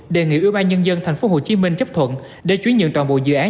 đề nghị ủy ban nhân dân tp hcm chấp thuận để chuyển nhượng toàn bộ dự án